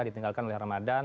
ditinggalkan oleh ramadan